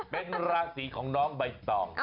เป็นราศีของน้องใบตอง